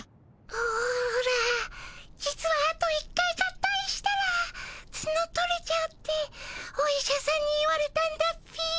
オオラ実はあと一回合体したらツノ取れちゃうってお医者さんに言われたんだっピィ。